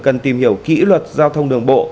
cần tìm hiểu kỹ luật giao thông đường bộ